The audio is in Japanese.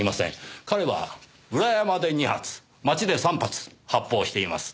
彼は裏山で２発街で３発発砲しています。